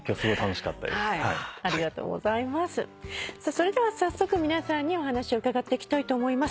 それでは早速皆さんにお話を伺っていきたいと思います。